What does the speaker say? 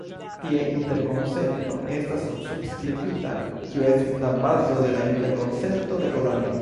Tie interkonsento estas subskribita, kiu estis la bazo de la Interkonsento de Kolonjo.